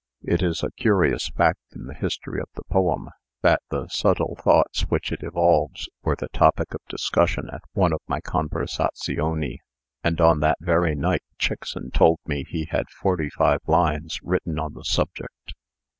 "It is a curious fact in the history of the poem, that the subtle thoughts which it evolves were the topic of discussion at one of my conversazioni; and on that very night Chickson told me he had forty five lines written on the subject.